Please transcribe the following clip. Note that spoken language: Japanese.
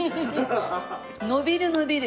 伸びる伸びる。